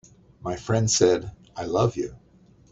My friend said: "I love you.